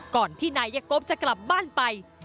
ก่อนที่นายกบจะกลับบ้านไป